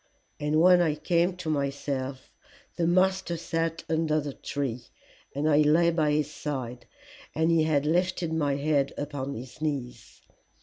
And when I came to myself the master sat under the tree, and I lay by his side, and he had lifted my head upon his knees.